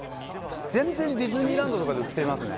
全然ディズニーランドとかで売ってますね。